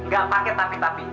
gak pake tapi tapi